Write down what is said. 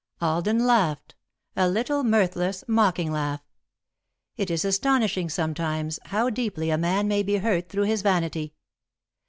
Alden laughed a little mirthless, mocking laugh. It is astonishing, sometimes, how deeply a man may be hurt through his vanity.